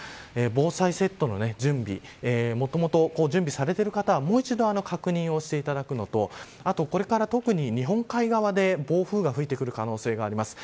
防災セットの準備もともと準備されている方はもう一度確認をしていただくのとあとこれから、特に日本海側で暴風が吹いてくる可能性があります。